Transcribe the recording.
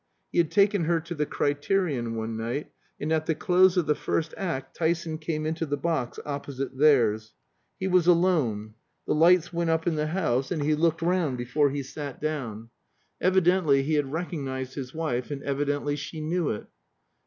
He had taken her to the "Criterion" one night, and at the close of the first act Tyson came into the box opposite theirs. He was alone. The lights went up in the house, and he looked round before he sat down; evidently he had recognized his wife, and evidently she knew it.